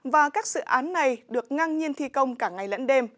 và các dự án này được ngang nhiên thi công cả ngày lẫn đêm